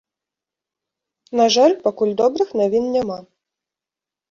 На жаль, пакуль добрых навін няма.